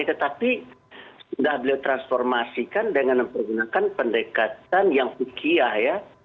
tetapi sudah beliau transformasikan dengan mempergunakan pendekatan yang fikiyah ya